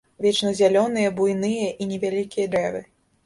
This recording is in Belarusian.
Вечназялёныя буйныя і невялікія дрэвы.